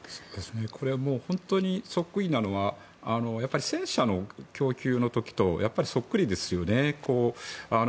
これは本当にそっくりなのは戦車の供給の時とそっくりですよね。